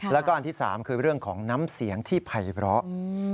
แล้วก็อันที่๓คือเรื่องของน้ำเสียงที่ภัยเพราะ